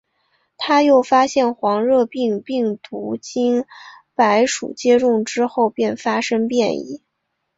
他又发现黄热病病毒经白鼠接种之后便发生变异。